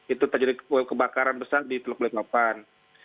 itu terjadi kebakaran besar di teluk balikpapan